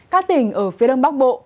các tỉnh ở phía đông bắc bộ